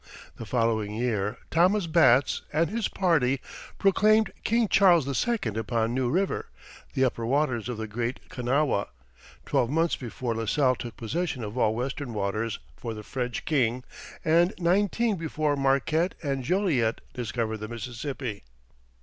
The following year Thomas Batts and his party proclaimed King Charles II upon New River, the upper waters of the Great Kanawha twelve months before La Salle took possession of all Western waters for the French king, and nineteen before Marquette and Joliet discovered the Mississippi.